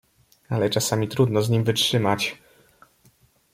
"Ale czasami trudno z nim wytrzymać."